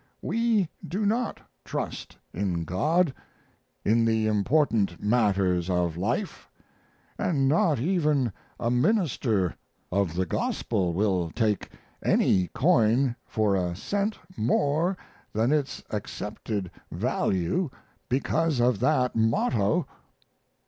We do not trust in God, in the important matters of life, and not even a minister of the Gospel will take any coin for a cent more than its accepted value because of that motto.